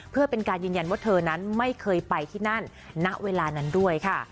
เพื่อเป็นการยืนยันว่าเธอนั้นไม่เคยไปที่นั่นณเวลานั้นด้วยค่ะ